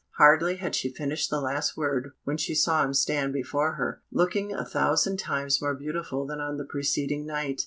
Hardly had she finished the last word when she saw him stand before her, looking a thousand times more beautiful than on the preceding night.